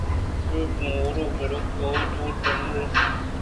اے ہار گرٛان بہاہے اَت ءُBohemian Garnets ءِ جوڑکُتگیں ءِ اِت